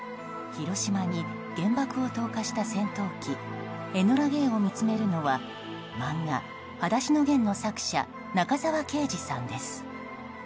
広島に原爆を投下した戦闘機「エノラ・ゲイ」を見つめるのは漫画「はだしのゲン」の作者中沢啓治さんです。